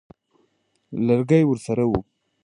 لرګی ورسره وو.